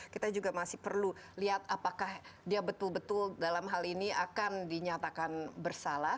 kita juga masih perlu lihat apakah dia betul betul dalam hal ini akan dinyatakan bersalah